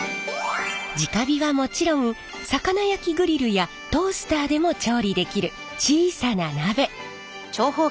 じか火はもちろん魚焼きグリルやトースターでも調理できる小さな鍋。